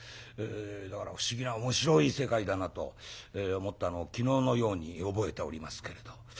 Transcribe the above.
だから不思議な面白い世界だなと思ったのを昨日のように覚えておりますけれど。